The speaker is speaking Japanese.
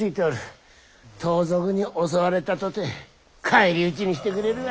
盗賊に襲われたとて返り討ちにしてくれるわ。